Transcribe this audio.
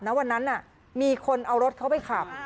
วันนั้นมีคนเอารถเขาไปขับ